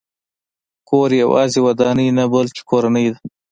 کور یوازې ودانۍ نه، بلکې کورنۍ ده.